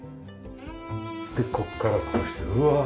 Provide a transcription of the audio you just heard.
でここからこうしてうわ。